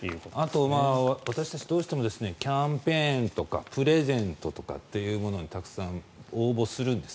あとは私たちどうしてもキャンペーンとかプレゼントとかっていうものにたくさん応募するんです。